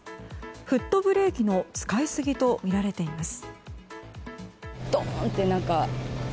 フットブレーキの使い過ぎとみられています。